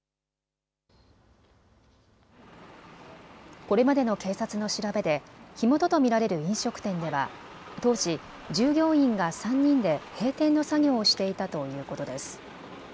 これまでの警察の調べで火元と見られる飲食店では当時、従業員が３人で閉店の作業をしていたということです。